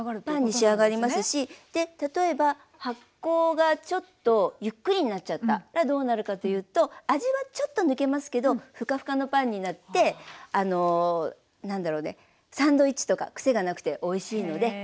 パンに仕上がりますしで例えば発酵がちょっとゆっくりになっちゃったらどうなるかというと味はちょっと抜けますけどふかふかのパンになってあの何だろねサンドイッチとかクセがなくておいしいので。